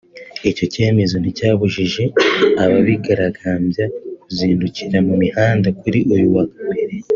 Icyo cyemezo nticyabujije abigaragambya kuzindukira mu muhanda kuri uyu wa Mbere